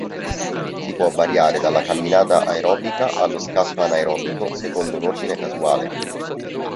Si può variare dalla camminata aerobica allo scatto anaerobico secondo un ordine casuale.